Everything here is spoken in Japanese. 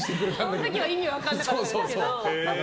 その時は意味分からなかったんですけど。